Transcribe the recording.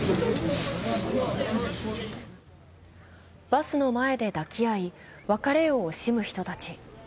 バスの前で抱き合い、別れを惜しむ人たち。